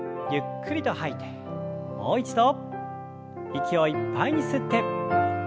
息をいっぱいに吸って。